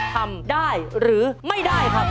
ทำได้หรือไม่ได้ครับ